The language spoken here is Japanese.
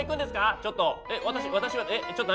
ちょっと。